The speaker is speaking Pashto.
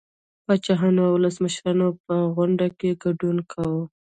پاچاهانو او ولسمشرانو په غونډو کې ګډون کاوه